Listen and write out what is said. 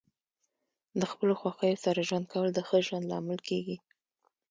د خپلو خوښیو سره ژوند کول د ښه ژوند لامل کیږي.